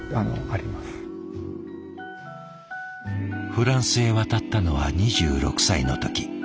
フランスへ渡ったのは２６歳の時。